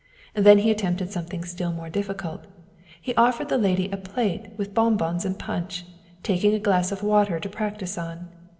Then he attempted something still more difficult. He offered the lady a plate with bon bons and punch, taking a glass of water to practice on.